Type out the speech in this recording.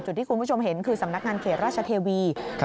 ที่คุณผู้ชมเห็นคือสำนักงานเขตราชเทวี